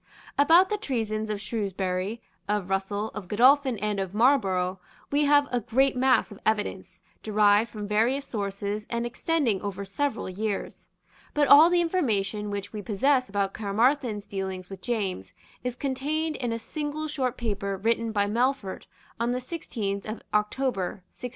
About the treasons of Shrewsbury, of Russell, of Godolphin and of Marlborough, we have a great mass of evidence, derived from various sources, and extending over several years. But all the information which we possess about Caermarthen's dealings with James is contained in a single short paper written by Melfort on the sixteenth of October 1693.